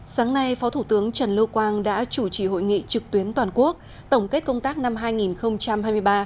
sáng nay phó thủ tướng trần lưu quang đã chủ trì hội nghị trực tuyến toàn quốc tổng kết công tác năm hai nghìn hai mươi ba